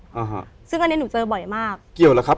อ่าฮะซึ่งอันนี้หนูเจอบ่อยมากเกี่ยวแล้วครับ